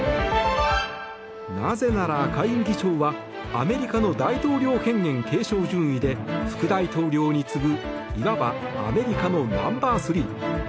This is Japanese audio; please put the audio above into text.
なぜなら、下院議長はアメリカの大統領権限継承順位で副大統領に次ぐいわばアメリカのナンバー３。